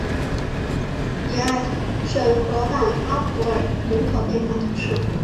比埃什河畔阿普尔人口变化图示